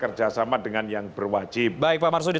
kerjasama dengan yang berwajib baik pak marsudi